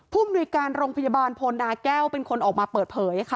มนุยการโรงพยาบาลโพนดาแก้วเป็นคนออกมาเปิดเผยค่ะ